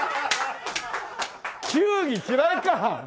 球技嫌いか。